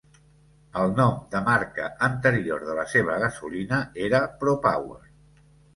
El nom de marca anterior de la seva gasolina era Propower.